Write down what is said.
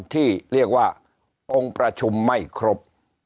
ที่เรียกว่าองค์ประชุมไม่ครบ